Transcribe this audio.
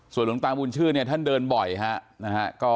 ส่วนหลวงตาบุญชื่นเนี่ยท่านเดินบ่อยค่ะ